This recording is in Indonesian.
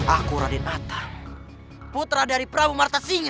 aku raden atta putra dari prabu martasinya